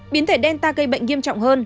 biến thể delta gây bệnh